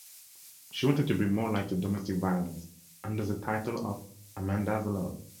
She wanted to bring more light to domestic-violence, under the title of Amanda's Law.